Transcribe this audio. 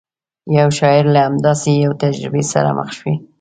یو شاعر له همداسې یوې تجربې سره مخ شوی.